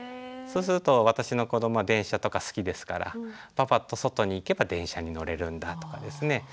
そうすると私の子どもは電車とか好きですからパパと外に行けば電車に乗れるんだとかですね